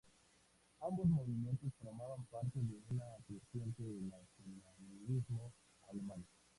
Ambos movimientos formaban parte de un creciente nacionalismo alemán.